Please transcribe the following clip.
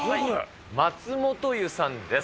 松本湯さんです。